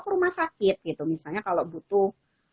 ke rumah sakit gitu misalnya kalau butuh